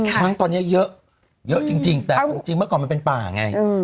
ช้างตอนนี้เยอะเยอะจริงแต่จริงเมื่อก่อนมันเป็นป่าไง